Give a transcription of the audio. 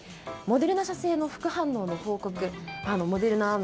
モデルナ社製の副反応の報告モデルナ